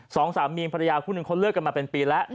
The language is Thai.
สองสามีภรรยาคู่หนึ่งเขาเลิกกันมาเป็นปีแล้ว